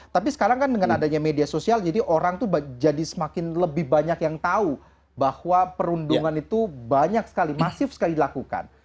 tapi sekarang kan dengan adanya media sosial jadi orang tuh jadi semakin lebih banyak yang tahu bahwa perundungan itu banyak sekali masif sekali dilakukan